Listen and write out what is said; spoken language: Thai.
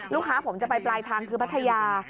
ลูกค้าผมจะไปปลายทางคือพัทยา